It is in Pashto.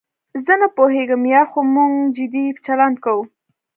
زه نه پوهېږم یا خو موږ جدي چلند کوو.